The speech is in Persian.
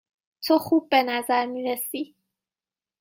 تو خوب به نظر می رسی.